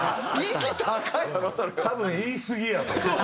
多分言いすぎやと思う。